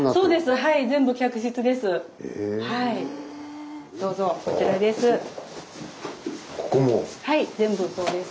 はい全部そうです。